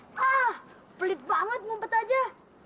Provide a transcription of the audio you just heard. belit banget ngumpet aja